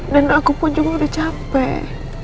dan aku pun juga udah capek